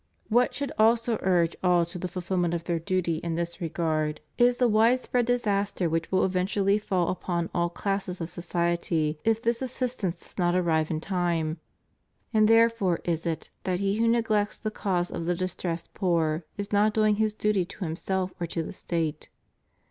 What should also urge all to the fulfilment of their duty in this regard 490 CHRISTIAN DEMOCRACY. is the widespread disaster which vnll eventually fall upon all classes of society if this assistance does not arrive in time; and therefore is it that he who neglects the cause of the distressed poor is not doing his duty to him self or to the State.